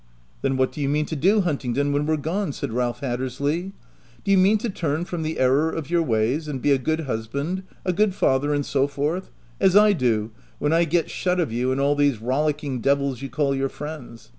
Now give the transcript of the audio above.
"' Then what do you mean to do, Hunting don, when we're gone V said Ralph Hattersley. ? Do you mean to turn from the error of your ways, and be a good husband, a good father, and so forth — as I do, when I get shut of you and all these rollicking devils you call your friends